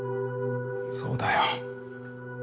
そうだよ。